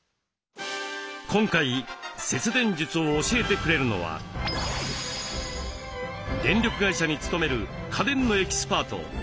今回節電術を教えてくれるのは電力会社に勤める家電のエキスパート中村剛さん。